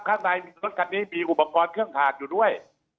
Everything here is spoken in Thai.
ข้างในมีรถคันนี้มีอุปกรณ์เครื่องถาดอยู่ด้วย